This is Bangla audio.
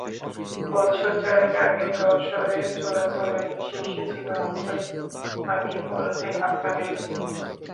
বছর চারেক আগে যশোরে চোরাচালানের শীর্ষে ছিল আহসান হাবীব ওরফে হাসানের নাম।